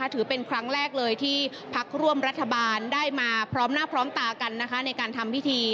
ถือเป็นครั้งแรกเลยที่พักร่วมรัฐบาลได้มาพร้อมหน้าพร้อมตากันในการทำพิธี